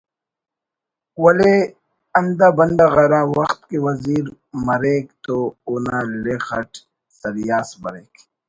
ولے ہندا بندغ ہرا وخت کہ وزیر مریک تو اونا لخ اٹ سریا اس بریک